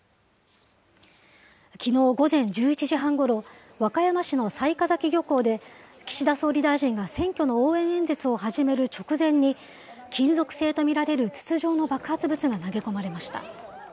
きのう午前１１時半ごろ、和歌山市の雑賀崎漁港で、岸田総理大臣が選挙の応援演説を始める直前に、金属製と見られる筒状の爆発物が投げ込まれました。